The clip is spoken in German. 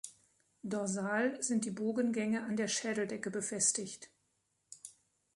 Dorsal sind die Bogengänge an der Schädeldecke befestigt.